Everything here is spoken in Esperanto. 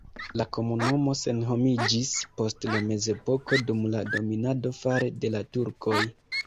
La komunumo senhomiĝis post la mezepoko dum la dominado fare de la turkoj.